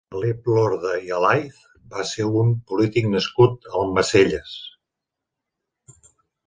Felip Lorda i Alaiz va ser un polític nascut a Almacelles.